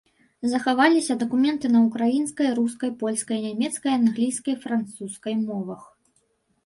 Захаваліся дакументы на ўкраінскай, рускай, польскай, нямецкай, англійскай, французскай мовах.